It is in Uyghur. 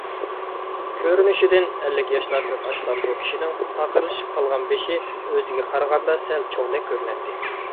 كۆرۈنۈشىدىن ئەللىك ياشلاردىن ئاشقان بۇ كىشىنىڭ تاقىرلىشىپ قالغان بېشى ئۆزىگە قارىغاندا سەل چوڭدەك كۆرۈنەتتى.